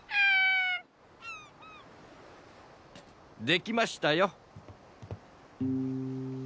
できましたよ。